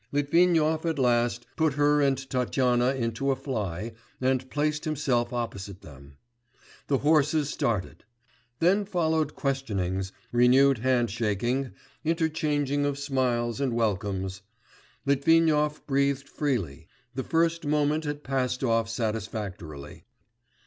Litvinov at last put her and Tatyana into a fly, and placed himself opposite them. The horses started. Then followed questionings, renewed handshaking, interchanging of smiles and welcomes.... Litvinov breathed freely; the first moment had passed off satisfactorily.